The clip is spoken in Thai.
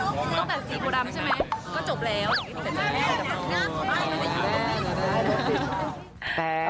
ก็แบบสีโบรัมใช่มั้ยก็จบแล้ว